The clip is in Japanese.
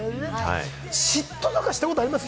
嫉妬なんかしたことあります？